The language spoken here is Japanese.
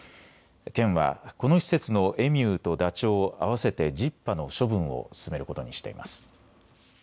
県はこの施設のエミューとダチョウ合わせて１０羽の処分を進めることにしています。